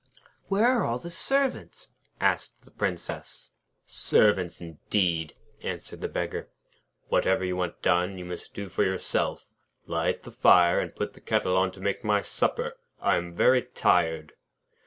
'Where are the servants?' asked the Princess. 'Servants indeed!' answered the Beggar. 'Whatever you want done, you must do for yourself. Light the fire, and put the kettle on to make my supper. I am very tired.'